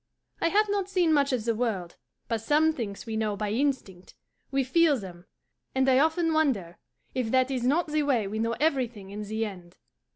I have not seen much of the world, but some things we know by instinct; we feel them; and I often wonder if that is not the way we know everything in the end.